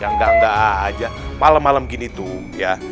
yang ganda aja malem malem gini tuh ya